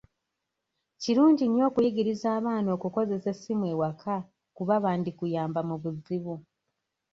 Kirungi nnyo okuyigiriza abaana okukozesa essimu ewaka kuba bandikuyamba mu buzibu.